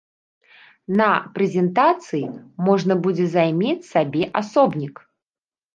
На прэзентацыі можна будзе займець сабе асобнік.